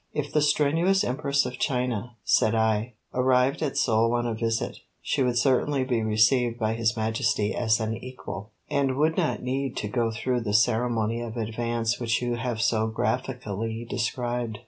"If the strenuous Empress of China," said I, "arrived at Seoul on a visit, she would certainly be received by His Majesty as an equal, and would not need to go through the ceremony of advance which you have so graphically described.